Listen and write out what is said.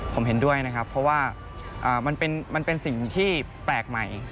ผมเห็นด้วยนะครับเพราะว่ามันเป็นสิ่งที่แปลกใหม่